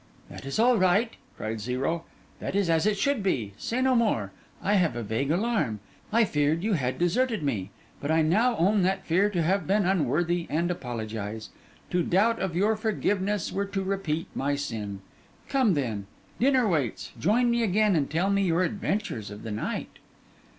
'That is all right,' cried Zero—'that is as it should be—say no more! I had a vague alarm; I feared you had deserted me; but I now own that fear to have been unworthy, and apologise. To doubt of your forgiveness were to repeat my sin. Come, then; dinner waits; join me again and tell me your adventures of the night.